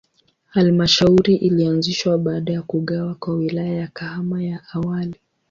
Halmashauri ilianzishwa baada ya kugawa kwa Wilaya ya Kahama ya awali.